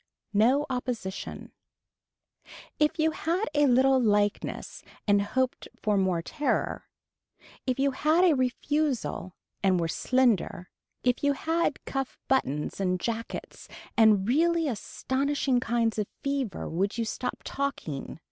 No opposition. If you had a little likeness and hoped for more terror. If you had a refusal and were slender. If you had cuff buttons and jackets and really astonishing kinds of fever would you stop talking.